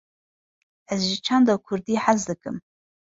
Ez ji çanda kurdî hez dikim.